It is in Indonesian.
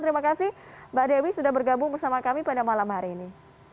terima kasih mbak dewi sudah bergabung bersama kami pada malam hari ini